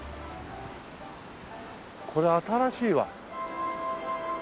これ新しいわ。